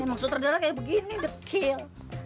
memang sutradara kaya begini dekil